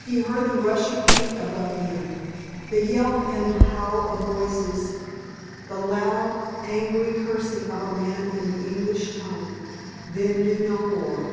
He heard the rush of feet above him, the yelp and howl of voices, the loud, angry cursing of a man in the English tongue, then knew no more.